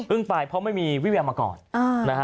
อึ้งไปเพราะไม่มีวิเวียมาก่อน